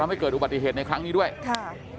ไม่เกิดอุบัติเหตุในครั้งนี้ด้วยค่ะ